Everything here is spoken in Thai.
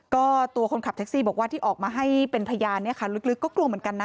ก็ตัวคนขับแท็กซี่บอกว่าที่ออกมาให้เป็นพยานเนี่ยค่ะลึกก็กลัวเหมือนกันนะ